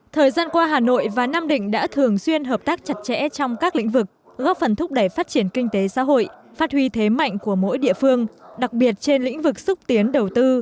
thời gian qua hà nội và nam định đã thường xuyên hợp tác chặt chẽ trong các lĩnh vực góp phần thúc đẩy phát triển kinh tế xã hội phát huy thế mạnh của mỗi địa phương đặc biệt trên lĩnh vực xúc tiến đầu tư